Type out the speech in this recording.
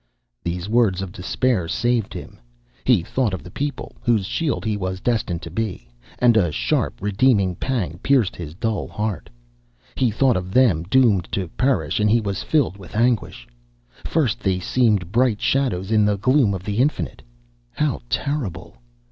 These words of despair saved him. He thought of the people, whose shield he was destined to be, and a sharp, redeeming pang pierced his dull heart. He thought of them doomed to perish, and he was filled with anguish. First they seemed bright shadows in the gloom of the Infinite. How terrible!